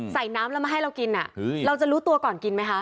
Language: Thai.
ใส่น้ำแล้วมาให้เรากินเราจะรู้ตัวก่อนกินไหมคะ